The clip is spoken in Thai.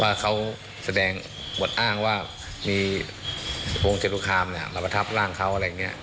ว่าเขาแสดงอวดอ้างว่ามีวงศ์เจรุคามมาประทับร่างเขา